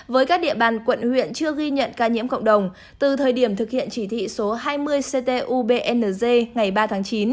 với các địa bàn quận huyện chưa ghi nhận ca nhiễm cộng đồng từ thời điểm thực hiện chỉ thị số hai mươi ctubngz ngày ba tháng chín